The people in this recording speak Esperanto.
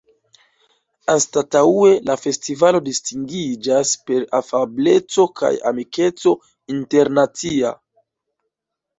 Anstataŭe, la festivalo distingiĝas per afableco kaj amikeco internacia.